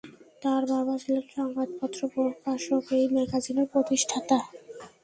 তার বাবা ছিলেন সংবাদপত্র প্রকাশক, এই ম্যাগাজিনের প্রতিষ্ঠাতা।